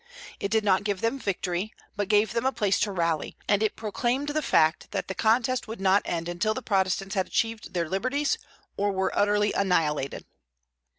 It did not give them victory, but gave them a place to rally; and it proclaimed the fact that the contest would not end until the Protestants had achieved their liberties or were utterly annihilated.